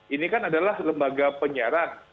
ini kan adalah lembaga penyiaran